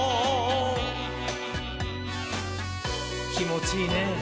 きもちいいねぇ。